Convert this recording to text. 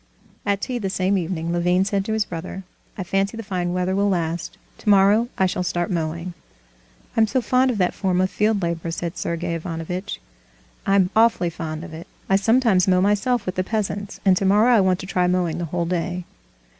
At tea the same evening Levin said to his brother: "I fancy the fine weather will last. Tomorrow I shall start mowing." "I'm so fond of that form of field labor," said Sergey Ivanovitch. "I'm awfully fond of it. I sometimes mow myself with the peasants, and tomorrow I want to try mowing the whole day."